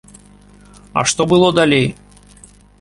А што было далей?